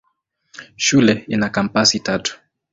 Shule ina kampasi tatu.